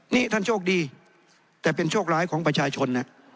นี่ท่านโชคดีแต่เป็นโชคร้ายของประชาชน